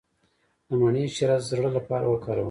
د مڼې شیره د زړه لپاره وکاروئ